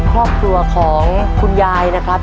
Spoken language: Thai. ครอบครัวของคุณยายนะครับ